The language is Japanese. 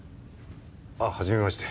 あっ初めまして。